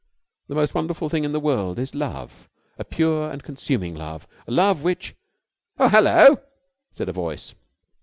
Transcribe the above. "The most wonderful thing in the world is love, a pure and consuming love, a love which...." "Oh, hello!" said a voice.